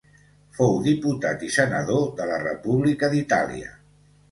Fou diputat i senador de la República d'Itàlia.